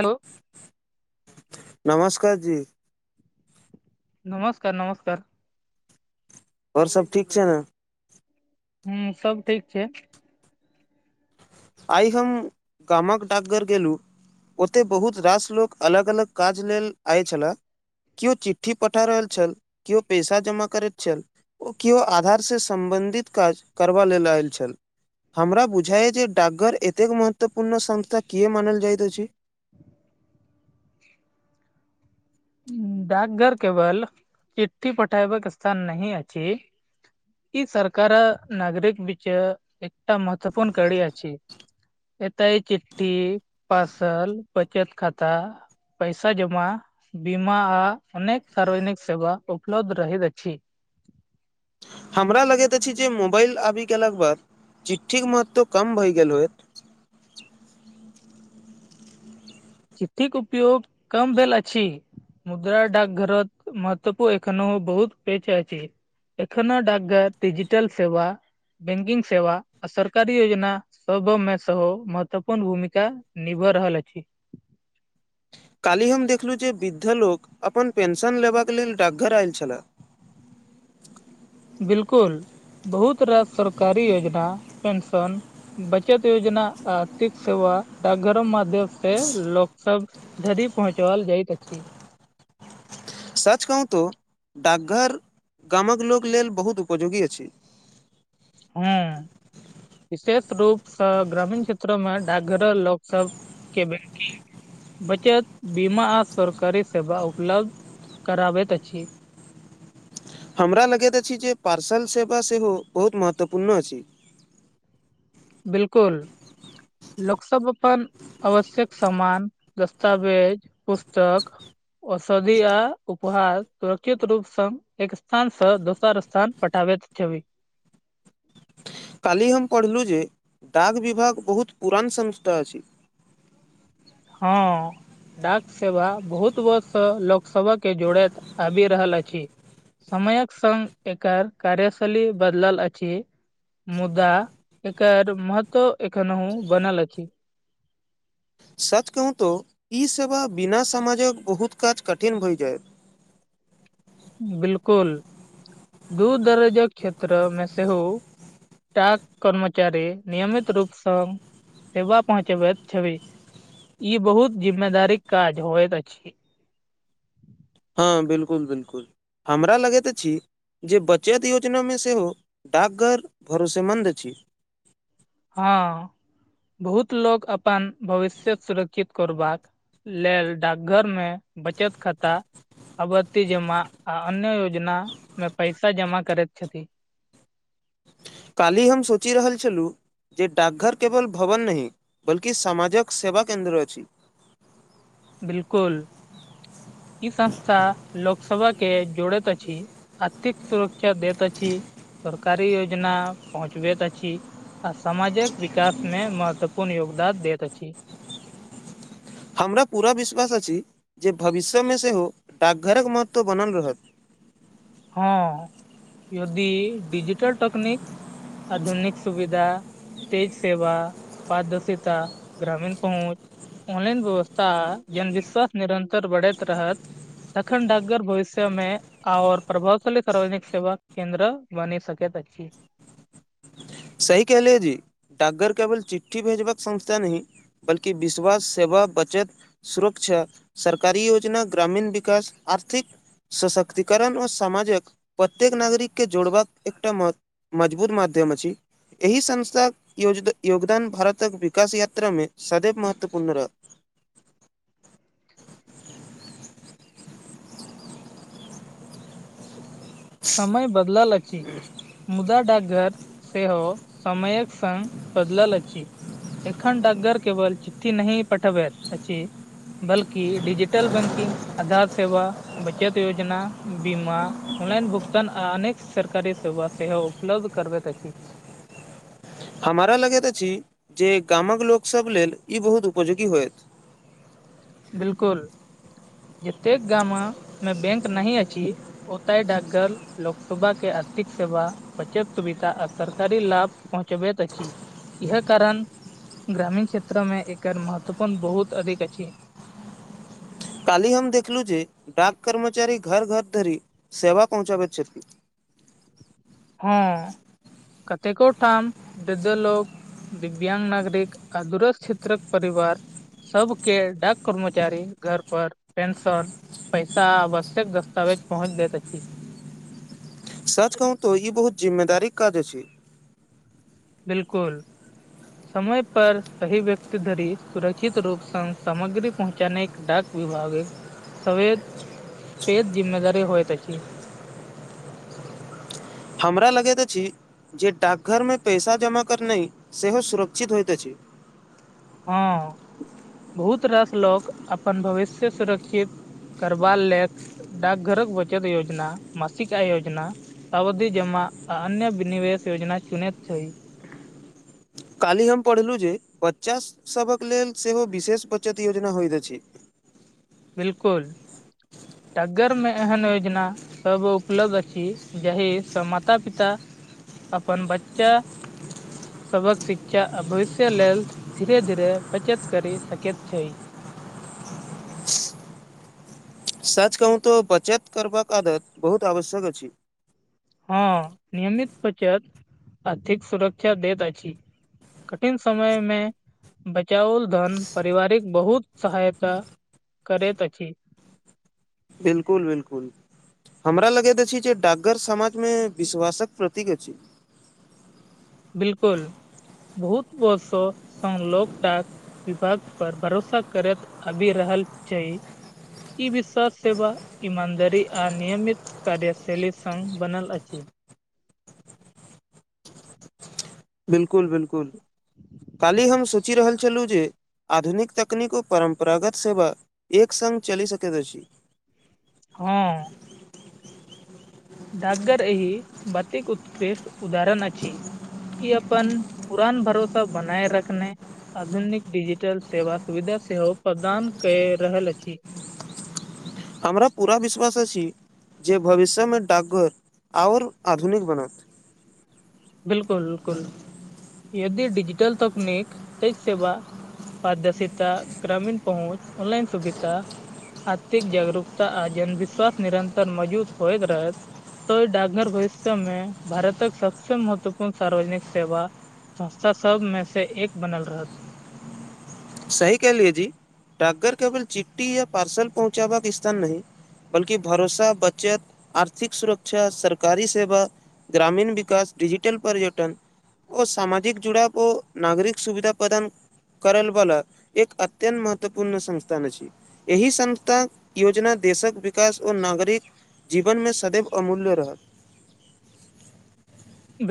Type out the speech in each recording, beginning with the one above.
Hello नमस्कार जी। नमस्कार नमस्कार। ओर सब ठीक छैय न हूँ सब ठीक छैय। आइ हम गामक डाकघर गेलहुँ ओते बहुत रास लोक अलग अलग काज लेल आय छले केओ चिठ्ठी पठा रहल छल केओ पैसा जमा करैत छल ओ केओ आधार से सम्बन्धित काज करबा लेल आयल छल हमरा बुझाइ जेय डाकघर एतेक महत्वपूर्ण समता किए मानल जाइत अछि। डाकघर केवल चिठी पठायबाक स्थान नहि अछि। ई सरकार नागरिक विचय एकटा महत्वपूर्ण कारी अछि। एतेय चिठ्ठी पार्सल बचत खाता पैसा जमा बीमा आ अनेक सार्वजनिक सेवा उपलब्ध रहैत अछि। हमरा लगैत अछि जे मोबाइल आबि गेलेला के बाद चिट्ठी के महत्व कम भऽ गेल होइतत। चिठ्ठी के उपयोग कम भेल अछि मुद्रा डाकघरो महत्वपू एखनहु बहुत पेच अछि। एखनो डाकघर डिजिटल सेवा बैंकिंग सेवा आ सरकारी योजना सबमे स महत्वपूर्ण भूमिका निभ रहल अछि। काल्हि हम देखलहुँ जे वृद्ध लोक अपन पेंशन लेबाक लेल डकघर आयल छले बिलकुल बहुत रास सरकारी योजना पेंशन बचत योजना आर्थिक सेवा डाकघरम माध्यम से लोक सब घरी पहुँचल जाइत अछि। सच कहू तऽ डाकघर गामक लोक लेल बहुत उपयोगी अछि। हाँ विशेष रूप से ग्रामीण क्षेत्र में डाकघर लोक सब के बबैंकिंग बचत बीमा आ सरकारी सेवा उपलब्ध कराबैत अछि। हमरा लगैत अछि जे पार्सल सेवा सेहो बहुत महत्वपूर्ण अछि। बिलकुल लोकसभ अपन आवश्यक सामान दस्तावेज पुस्तक औषधि आ उपहार सुरक्षित रूप से एक स्थान से दोसर स्थान पठटाावे त छबी कालहि हम पढ़लहुँ जे डाक विभाग बहुत पुरान संस्था अछि। हाँ। डाक सेवा बहुत वर्ष सँ लोकसभ के जोड़ति आबि रहल अछि समयक संग एकर कार्यशैली बदलल अछि मुदा एकर महत्व एखनहु बनल अछि सच कहूं तो ई सेवा बिना समाजक बहुत काज कठिन भइ जायत बिलकुल दूर दराजक क्षेत्र मे सेहो डाक कर्मचारी नियमित रूप सँ सेबा पहुँचबति छबि ई बहुत जिम्मेदारीक काज होइत अछि हँ बिल्कुल बिलकुल हमरा लगति अछि जे बचत योजनामे सेहो डाकघर भरोसेमन्द अछि हँ बहुत लोक अपन भविष्यक सुरक्षित करूबाक लेल डाकघर मे बचत खाता अबत्ति जमा आ अन्य योजना मे पैसा जमा करति छथि काल्ही हम सोचि रहल छलु जे डाकघर केवल भवन नहि बल्कि सामाजक सेवा केन्द्र अछि बिलकुल ई संस्था लोक सभऽ के जोड़ति अछि आथिक सुरक्षा दति अछि सरकारी योजना पहुँचबति अछी आ समाजक विकास मे महत्वपूर्ण योगदान दति अछि हमरा पूरा विश्वास अछि जे भविष्य मे सेहो डाकघरक महत्व बनल रहत हँ यदि डिजिटल टकनिक आधुनिक सुविधा तेज सेवा पारदर्शिता ग्रामीण पहुँच ऑनलाइन व्यवस्था जनविसह निरन्तर बढ़ति रहत तखन डकघर भविष्य मे आओर प्रभावशाली सार्वजनिक सेवा केन्द्र बनी सकति अछि सही केहलिये जी डाकघर केवल चिठ्ठी भेजबाक संस्था नहि बल्कि विश्वास सेवा बचत सुरक्षा सरकारी योजना ग्रामीण विकास आर्थिक सशक्तिकरण ओ समामाजक प्रत्येक नागरिक के जोड़बाक एकटा महत् मजबूत माध्यम अछि एहि संस्थाक योज योगदान भारतक विकास यात्रा मे सदवि महत्वपूर्ण रहय समय बदलल अछि मुदा डाकघर सेहो समयक संग बदलल अछि एखन डाकगर केवल चिठ्ठी नहि पठबति अछि बल्कि डिजिटल बैंकिंग आधार सेवा बचत योजना बीमा ऑनलाइन भुगतान आ अनेक सरकारी सेवा सेहो उपलब्ध करबति अछि हमरा लगति अछि जे गामक लोक सभ लेल ई बहुत उपयोगी होयत बिलकुल जतेक गामा मे बैंक नहि अछि ओतय डाकघर लोकसोबा के आर्थिक सेवा बचत सुविधा आ सरकारी लाभ पहुँचबति अछि इह कारण ग्रामीण क्षेत्र मे एकर महत्वपूर्ण बहुत अधिक अछि काल्हि हम देखलु जे डाक कर्मचारी घर घर धरि सेवा पहुँचाबति छथि हँ कतेकोटाम दद लोक दिव्यांग नागरिक आ दुरस क्षेत्रक परिवार सबके डाक कर्मचारी घर पर पेंशन पैसा आवश्यक दस्तावेज पहुँच देत अछि सच कहूं तो ई बहुत जिम्मेदारीक काज अछि बिल्कुल समय पर सही व्यक्ति धरि सुरक्षित रूप संग सामग्री पहुँचानेक डाक विभागे सवेद पेद जिम्मेदारी होयत अछि हमरा लगैत अछि जे डाकघरमे पैसा जमा करनाइ सेहो सुरक्षित होइत अछि हँ बहुत रास लोक अपन भविष्य सुरक्षित करबाल लेक डाक घरक बचत योजना मासिक आय योजना अवधि जमा आ अन्य बिनवेश योजना चुनेत छैई, काल्हि हम पढ़लहुँ जे बच्चा सभक लेल सेहो विशेष बचत योजना होइत अछि बिल्कुल, ट्गर मे एहन योजना सब उपलब्ध आछि जाहि सब माता पिता अपन बच्चा सबक शिक्षा भविष्य लेल धीरे धीरे बचत कर सकैत छै, सच कहू तो बचत करबाक आदत बहुत आवश्यक अछि हँ नियमित बचत आर्थिक सुरक्षा दैत अछि कठिन सममयमे बचाओल धन पारिवारिक बहुत सहायता करैत अछि, बिल्कुल बिल्कुल। हमरा लगैत अछि जे डाकर समाज मे विश्वासक प्रतीक अछि, बिल्कुल, बहुत बर्ष सल डाक विभाग पर भरोसा करैत आबि रहल छै ई विश्वास सेवा ईमानदारी आ नियमित कार्यशैली संग बनल अछि, [inaudible] बिल्कुल बिल्कुल, काल्हि हम सोचि रहल छलहुँ जे आधुनिक तकनीक ओ परम्परागत सेवा एक सङ्ग चलि सकैत अछि हँ। डाक घरएहि बतेक उत्कृष्ट उदाहरण अ अछि, ई अपन पुरान भरोसा बनाए रखने आधुनिक डिजिटल सेवा सुविधा सेहो प्रदान कए रहल अछि, हमरा पूरा विश्वास अछि जे भविष्यमे डाकघर आओर आधुनिक बनत बिल्कुल बिल्कुल यदि डिजिटल तकनीक एहि सेवा पदर्शितता ग्रामीण पहुँच ऑनलाइन सुविधा आथिक जागरूकता आ जनविश्वास निरन्तर मौजूद होइत रहत तऽ डाक्घर भविष्यमे भारतक सब सबसँ महत्वपूर्ण सार्वजनिक सेवा संस्था सबमे से एक बनल रहत सही कह लियए जी टा्गर केवल चिट्ठी या पार्सल पहुँचबाक के स्थान नहि बल्कि भरोसा बचत आर्थिक सुरक्षा सरकारी सेवा ग्रामीण विकास डिजिटल पर्यटन ओ सामाजिक जुड़ाव ओ नागरिक सुविधा प्रदान करल बला एक अत्यत महत्वपूर्ण संस्थान अछि, एहि संस्था योजना देशक विकास ओ नागरिक जीवन मे सदैव अमूल्य रहत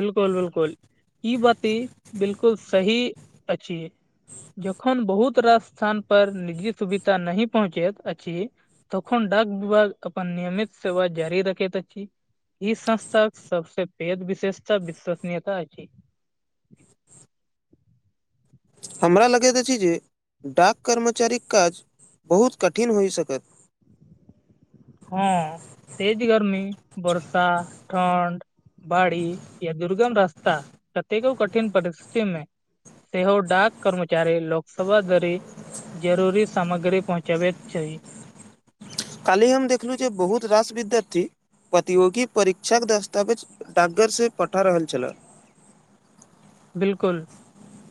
बिल्कुल बिल्कुल, ई बाती बिलकुल सही अछि जखन बहुत रास स्थान पर निजी सुविधा नही पहुँचैत अछि तखन डाक विभाग अपन नियमित सेवा जारी राखैत छी ई संस्थाक सबसे वेद विशेषता विश्वसनीयता अछि- हमरा लगैत अछि जे डाक कर्मचारीक काज बहुत कठिन होइ सकत हँ तज गर्मी बर्षा ठण्ड बाड़ी या दुर्गम रास्ता कतेको कठिन परिस्थिति मे से ह डाक कर्मचारी लोक सवा धरी जरूरी सामग्री पहुँचाबैत छै। काली हम देखलहुँ जे बहुत रास विद्यार्थी प्रतियोगी परीक्षाक के दस्तावेज ड्गर से पठा रहल छले बिलकुल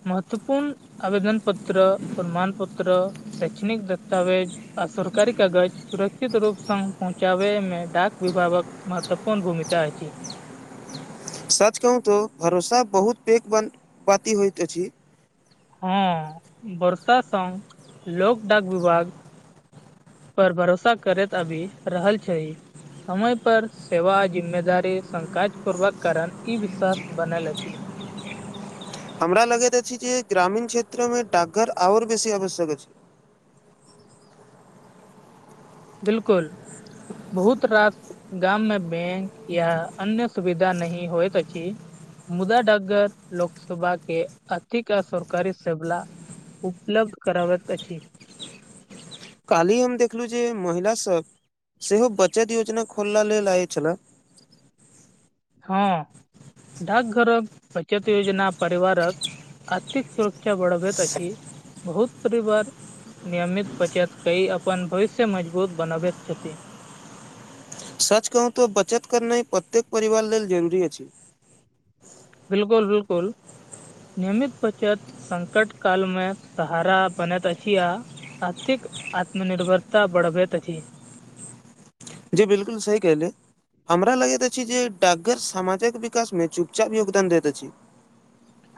महत्वपूर्ण आवेदन पत्र प्रमाण पत्र शैक्षणिक दस्तावेज आ सरकारी कागज सुरक्षित रूप स पहुँचाबे मे डाक विभागक महत्वपूर्ण भूमिका अछि सच कहू तो भरोसा बहुत पैघ ब बाती होइत अछि हँ बर्षा सँ लोक डाक विभाग पर भरोसा करैत आबि रहल छैय समय पर सेवा जिम्मेदारी संग काज करबाक कारण ई विश्वास बनल अछि हमरा लगैत अछि जे ग्रामीण क्षेत्र मे डाकघर आओर बेसी आवश्यक अछि बिलकुल बहुत रात गाम मे बैंक या अन्य सुविधा नहि होइत अछि मुदा डाकघर लोक सेवा के अथिक सरकारी से बला उपलब्ध कराबैत अछि काल्हि हम देखलहुँ जे महिला सब सेहो बचत योजना खोलला लेल आयल छलाह हँ डाकघरक बचत योजना परिवारक आर्थिक सुरक्षा बढ़ाबैत अछि बहुत परिवार नियमित बचत कय अपन भविष्य मजबूत बनाबैत छथि सच कहू तँ बचत करनाय प्रत्येक परिवार लेल जरूरी अछि बिल्कुल बिल्कुल नियमित बचत संकट कालमे सहारा बनैत अछि आ आर्थिक आत्मनिर्भरता बढ़बैत अछि जी बिलकुल सही कह ले हमरा लगैत अछि जे डाक्घर सामाजक विकासमे चुपचाप योगदान दैत अछि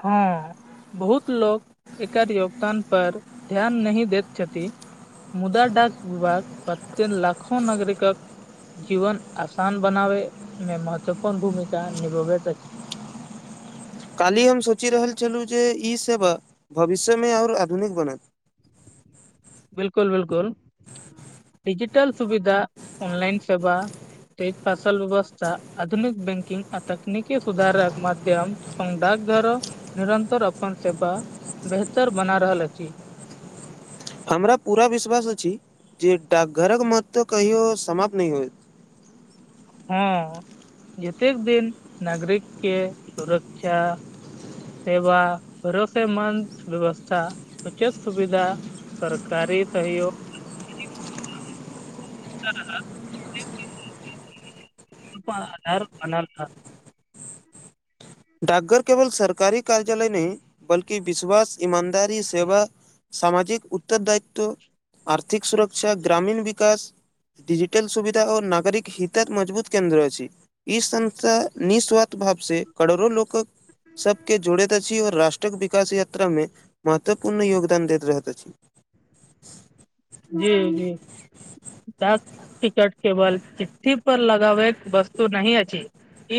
हँऽ बहुत लोक एकर योगदान पर ध्यान नहि दैत छथि मुदा डाक विभाग पाचों लाखो नागरिकक जीवन आसान बनावै मे महत्वपूर्ण भूमिका निभाबैत अछि काल्हि हम सोचि रहल छलहुँ जे ई सेवा भविष्यमे आओर आधुनिक बनत बिलकुल बिलकुल डिजिटल सुविधा ऑनलाइन सेवा तैय फसल व्यवस्था आधुनिक बैंकिंग आ तकनीकी सुधारक माध्यम अपन डाकघर निरंतर अपन सेवा बेहतर बना रहल अछि हमरा पूरा विश्वास अछि जे डाकघरक महत्व कहियो समाप्त नहि होयत हँ जतेक दिन नागरिकके सुरक्षा सेवा भरोसेमन्द व्यवस्था उचित सुविधा सरकारी सहयोग [unintelligible] डाकघर केवल सरकारी कार्यालय नय बल्कि विश्वास ईमानदारी सेवा सामाजिक उत्तर दायित्व आर्थिक सुरक्षा ग्रामीण विकास डजिटल सुविधा आओर नागरिक हितक मजबूत केन्द्र अछि। ई संस्था निःस्वार्थ भाव से करोड़ो लोक सबके जोड़ैत अछि आओर राष्ट्र टक विकास यात्रा मे महत्वपूर्ण योगदान दैत रहैत अछि। जी जी डाक टिकट केवल चिठ्ठी पर लगाबैक वस्तु नहि अछि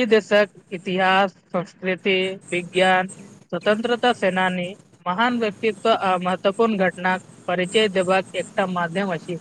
ई देशक इतिहास संस्कृति विज्ञान स्वतंत्रता सेनानी महान व्यक्तित्व महत्वपूर्ण आ घटनाक परिचय देबाक एकटा माध्यम अछि।